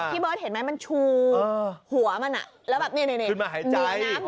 พี่เบิร์ดเห็นมั้ยมันชูหัวมันน่ะแล้วแบบเนี่ยมีน้ำอยู่น่ะ